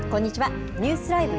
ニュースＬＩＶＥ！